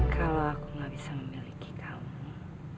kalau aku gak bisa memiliki kamu